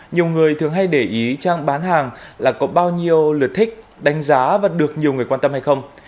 nhiều người thường hay để ý trang bán hàng là có bao nhiêu lượt thích đánh giá và được nhiều người quan tâm hay không